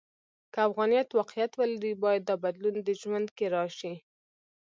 که افغانیت واقعیت ولري، باید دا بدلون د ژوند کې راشي.